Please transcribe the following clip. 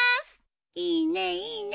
いいねいいね。